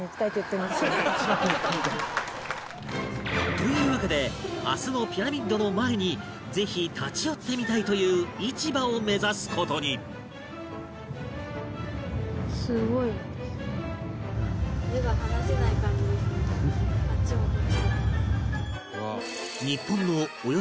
というわけで明日のピラミッドの前にぜひ立ち寄ってみたいという市場を目指す事にを持つエジプト